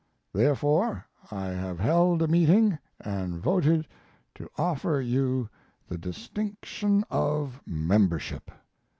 Therefore, I have held a meeting and voted to offer you the distinction of membership.